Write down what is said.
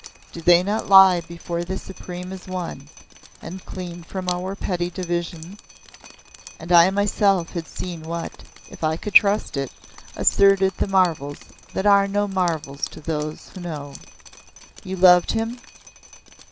Do they not lie before the Supreme as one, and clean from our petty divisions? And I myself had seen what, if I could trust it, asserted the marvels that are no marvels to those who know. "You loved him?"